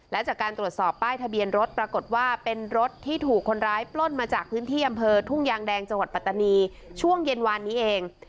และจากการตรวจสอบป้ายทะเบียนรถปรากฏว่าเป็นรถที่ถูกคนร้ายปล้นมาจากพื้นที่อำเภอทุ่งยางแดงจังหวัดปัตตานีช่วงเย็นวานนี้เอง